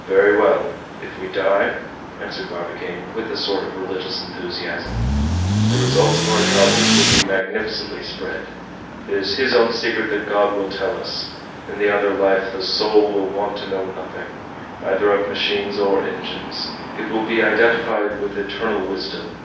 "Very well! if we die," answered Barbicane, with a sort of religious enthusiasm, "the results of our travels will be magnificently spread. It is His own secret that God will tell us! In the other life the soul will want to know nothing, either of machines or engines! It will be identified with eternal wisdom!"